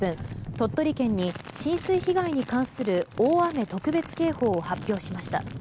鳥取県に浸水被害に関する大雨特別警報を発表しました。